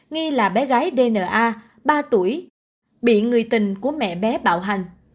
nghi là bé gái dna ba tuổi bị người tình của mẹ bé bạo hành